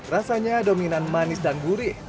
rasanya dominan manis dan gurih